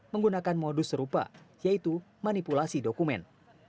menggunakan modus serupa yaitu manipulasi dokumen